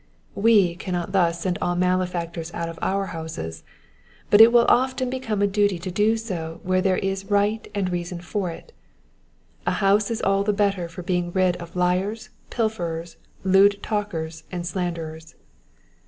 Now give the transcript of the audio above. '^ We cannot thus send all malefactors out of our houses, but it will often become a duty to do so where there is right and reason for it. A house is all the better for being rid of liars, pilferers, lewd talkers, and slanderers.